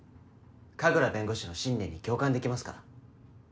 神楽弁護士の信念に共感できますから。